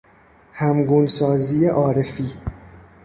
همگونسازی عارفی